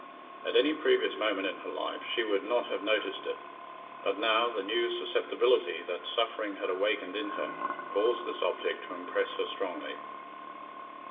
At any previous moment in her life she would not have noticed it, but now, the new susceptibility that suffering had awakened in her caused this object to impress her strongly.